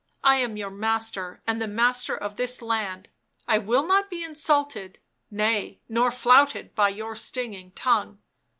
I am your master and the master of this land — I will not be insulted, nay, nor flouted, by your stinging tongue.